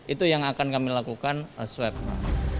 itu yang akan kami lakukan swabnya